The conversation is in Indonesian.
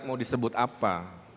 mau disebut apa